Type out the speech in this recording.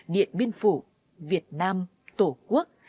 điện biên phủ việt nam tổ quốc